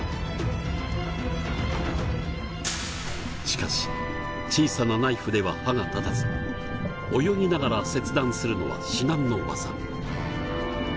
しかし小さなナイフでは刃が立たず泳ぎながら切断するのは至難の業。